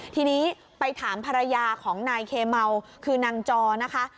ทีนี้ไปถามภรรยาของนายเคเมาคือนางจอนะคะ